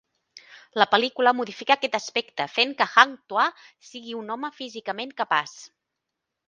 La pel·lícula modifica aquest aspecte fent que Hang Tuah sigui un home físicament capaç.